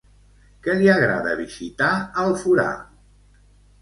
Què li agrada visitar al forà?